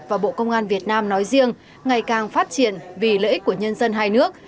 và bộ công an việt nam nói riêng ngày càng phát triển vì lợi ích của nhân dân hai nước